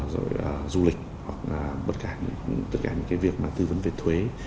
rồi du lịch hoặc tất cả những việc tư vấn về thuế